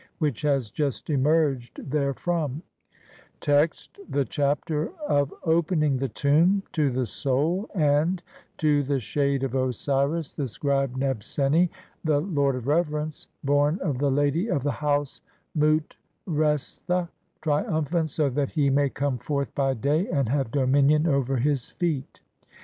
Text : (1) The Chapter of opening the tomb to the SOUL [AND] TO THE SHADE OF OsiRlS the scribe Nebseni, the lord of reverence, born of the lady of the house Mut restha, triumphant, SO THAT HE MAY COME FORTH BY DAY AND (2) HAVE DOMINION OVER HIS FEET.